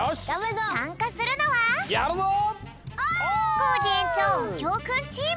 コージ園長うきょうくんチーム！